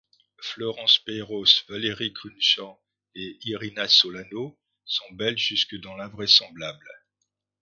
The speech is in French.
Florence Payros, Valérie Crunchant et Irina Solano sont belles jusque dans l’invraisemblable.